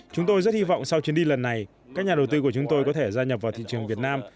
chúng tôi rất hy vọng sau chuyến đi lần này các nhà đầu tư của chúng tôi có thể gia nhập vào thị trường việt nam